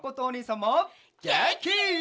げんき！